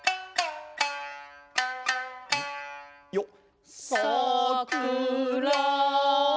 よっ。